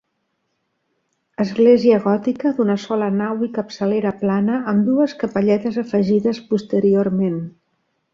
Església gòtica d'una sola nau i capçalera plana, amb dues capelletes afegides posteriorment.